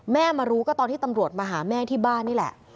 มารู้ก็ตอนที่ตำรวจมาหาแม่ที่บ้านนี่แหละ